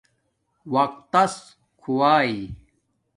وقتس کھوہ